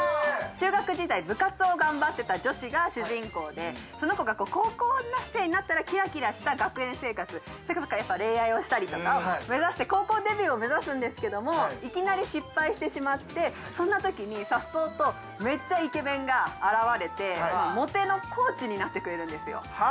中学時代部活を頑張ってた女子が主人公でその子が高校生になったらキラキラした学園生活恋愛をしたりとかを目指して高校デビューを目指すんですけどもいきなり失敗してしまってそんなときにさっそうとめっちゃイケメンが現れてモテのコーチになってくれるんですよ。